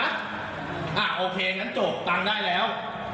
อ่าโอเคงั้นโจทย์ตังค์ได้แล้ว